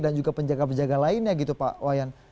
dan juga penjaga penjaga lainnya gitu pak wayan